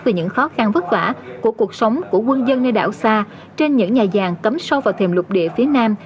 về những khó khăn vất vả của cuộc sống của quân dân nơi đảo xa trên những nhà cấm sâu vào thềm lục địa phía nam